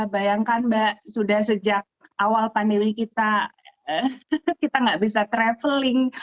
bayangkan mbak sudah sejak awal pandemi kita nggak bisa traveling